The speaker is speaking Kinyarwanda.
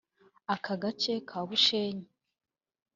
Aka gace ka Bushenyi